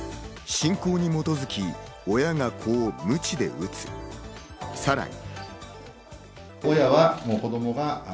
信仰に基づき、親が子をムチで打つ、さらに。